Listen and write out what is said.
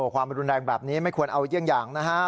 ความรุนแรงแบบนี้ไม่ควรเอาอย่างนะครับ